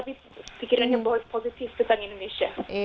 tapi pikiran yang positif tentang indonesia